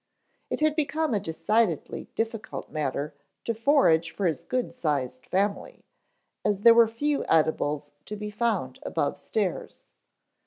It had become a decidedly difficult matter to forage for his good sized family, as there were few edibles to be found above stairs.